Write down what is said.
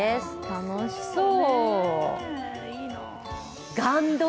楽しそう。